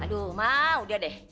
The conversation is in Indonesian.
aduh mah udah deh